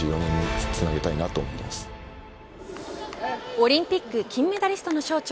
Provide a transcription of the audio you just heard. オリンピック金メダリストの象徴